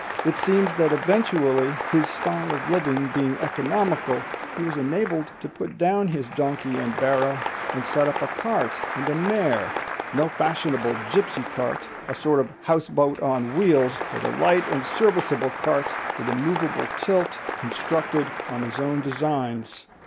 It seems that eventually, his style of living being economical, he was enabled to put down his donkey and barrow, and set up a cart and a mare—no fashionable gipsy cart, a sort of houseboat on wheels, but a light and serviceable cart, with a moveable tilt, constructed on his own designs.